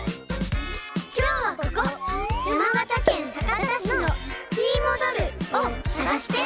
・きょうはここ山形県酒田市の「ひーもどる」をさがして。